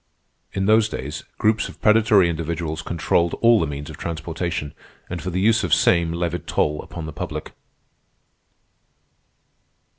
'" In those days, groups of predatory individuals controlled all the means of transportation, and for the use of same levied toll upon the public.